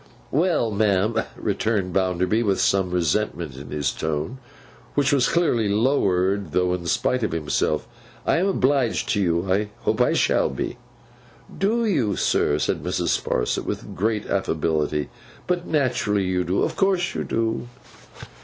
'Well, ma'am,' returned Bounderby, with some resentment in his tone: which was clearly lowered, though in spite of himself, 'I am obliged to you. I hope I shall be.' 'Do you, sir!' said Mrs. Sparsit, with great affability. 'But naturally you do; of course you do.